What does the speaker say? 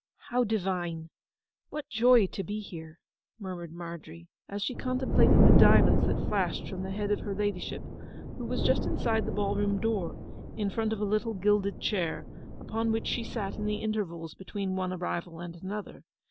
'How divine—what joy to be here!' murmured Margery, as she contemplated the diamonds that flashed from the head of her ladyship, who was just inside the ball room door, in front of a little gilded chair, upon which she sat in the intervals between one arrival and another.